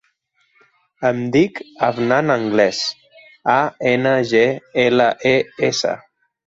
Em dic Afnan Angles: a, ena, ge, ela, e, essa.